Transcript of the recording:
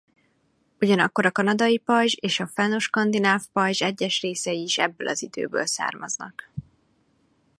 Ugyanakkor a Kanadai-pajzs és a Fennoskandináv-pajzs egyes részei is ebből az időből származnak.